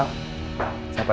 selamat siang pak